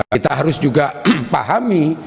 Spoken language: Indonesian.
kita harus juga pahami